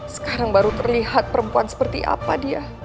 sekarang baru terlihat perempuan seperti apa dia